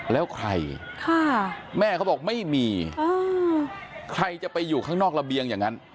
แล้วใครแม่เขาบอกไม่มีใครจะไปอยู่ข้างนอกระเบียงอย่างนั้น